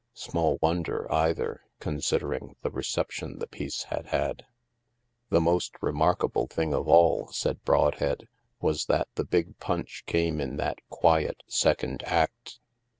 Small wonder, either, con sidering the reception the piece had had. HAVEN 319 " The most remarkable thing of all," Said Brod head, "was that the big punch came in that quiet second act.